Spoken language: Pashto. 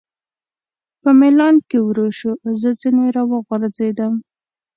په مېلان کې ورو شو، زه ځنې را وغورځېدم.